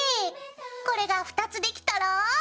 これが２つできたら。